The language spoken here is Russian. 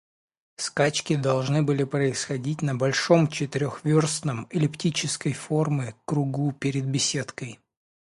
Скачки должны были происходить на большом четырехверстном эллиптической формы кругу пред беседкой.